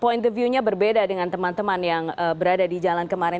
point the view nya berbeda dengan teman teman yang berada di jalan kemarin